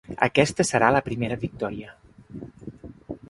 Aquesta serà la primera victòria.